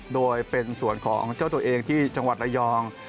โดยเป็นส่วนของเจ้าตัวเองที่จังหวัดระยอง